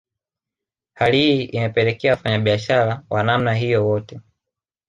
Hali hii imepelekea Wafanyabiashara wa namna hiyo wote